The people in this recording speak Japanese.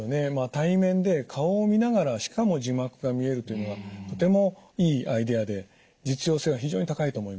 対面で顔を見ながらしかも字幕が見えるというのはとてもいいアイデアで実用性は非常に高いと思いますね。